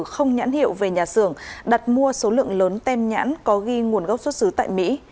không nhãn hiệu về nhà xưởng đặt mua số lượng lớn tem nhãn có ghi nguồn gốc xuất xứ tại mỹ